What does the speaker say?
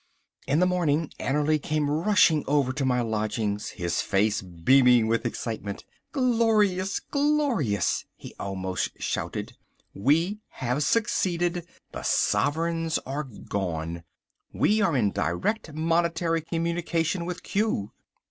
In the morning Annerly came rushing over to my lodgings, his face beaming with excitement. "Glorious, glorious," he almost shouted, "we have succeeded! The sovereigns are gone. We are in direct monetary communication with Q."